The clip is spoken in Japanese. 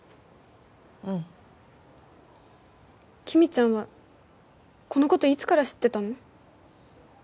うんきみちゃんはこのこといつから知ってたの？